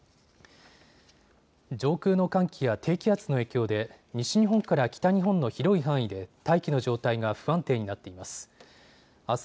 上空の寒気や低気圧の影響で西日本から北日本の広い範囲で大気の状態が不安定になっています。